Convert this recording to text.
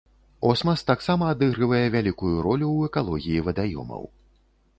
Осмас таксама адыгрывае вялікую ролю ў экалогіі вадаёмаў.